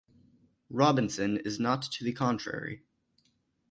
Robinson is not to the contrary.